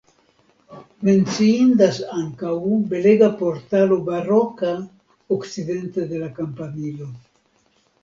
Menciindas ankaŭ belega portalo baroka okcidente de la kampanilo.